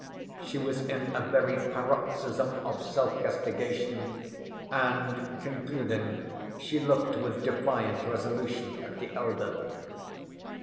She was in a very paroxysm of self‐castigation, and, concluding, she looked with defiant resolution at the elder.